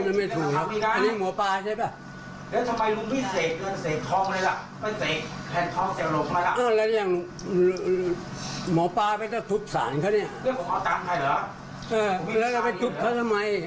แล้วไปทุกข์เขาทำไม